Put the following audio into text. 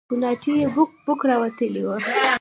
کوناټي يې بوک بوک راوتلي وو.